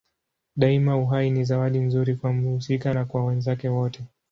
Daima uhai ni zawadi nzuri kwa mhusika na kwa wenzake wote.